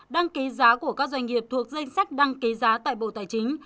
đăng ký giá của các doanh nghiệp thuộc danh sách đăng ký giá tại bộ tài chính